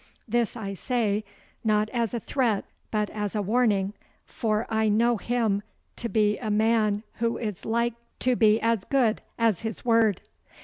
This I say, not as a threat, but as a warning, for I know him to be a man who is like to be as good as his word.